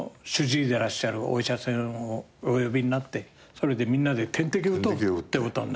でらっしゃるお医者さんをお呼びになってみんなで点滴打とうってことに。